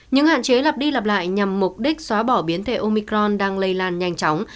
những hạn chế lặp đi lặp lại nhằm mục đích xóa bỏ biến thể omicron đang lây lan nhanh chóng